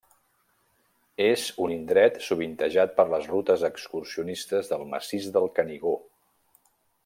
És un indret sovintejat per les rutes excursionistes del Massís del Canigó.